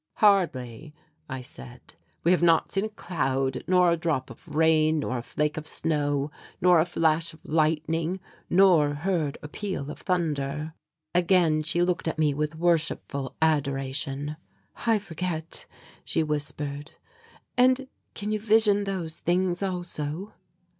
"Hardly," I said; "we have not seen a cloud, nor a drop of rain nor a flake of snow, nor a flash of lightning, nor heard a peal of thunder." Again she looked at me with worshipful adoration. "I forget," she whispered; "and can you vision those things also?"